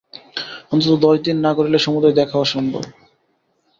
অন্তত দশ দিন না ঘুরিলে সমুদয় দেখা অসম্ভব।